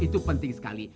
itu penting sekali